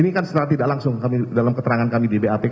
ini kan setelah tidak langsung dalam keterangan kami di bap